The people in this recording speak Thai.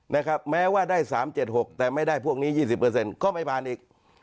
นะครับแม้ว่าได้๓๗๖แต่ไม่ได้พวกนี้๒๐ก็ไม่ผ่านอีก